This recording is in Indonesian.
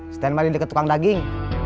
stand by di deket tukang sayur